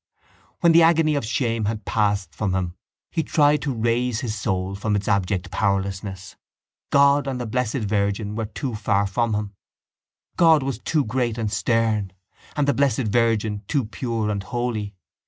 When the agony of shame had passed from him he tried to raise his soul from its abject powerlessness. God and the Blessed Virgin were too far from him: God was too great and stern and the Blessed Virgin too pure and holy.